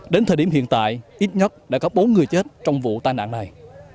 đến thời điểm hiện tại ít nhất đã có bốn người chết trong vụ tai nạn này